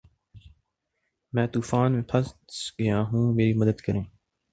میں طوفان میں پھنس گیا ہوں میری مدد کریں